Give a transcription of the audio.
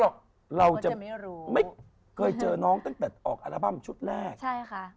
เคยมีเจอน้องตั้งแต่ออกอาร์บั้มชุดแรกเท่านั้น